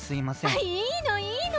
あっいいのいいの！